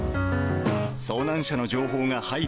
遭難者の情報が入る